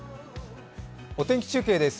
お天気中継です。